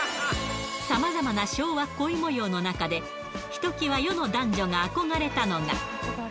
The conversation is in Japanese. さまざまな昭和恋もようの中で、ひときわ世の男女が憧れたのが。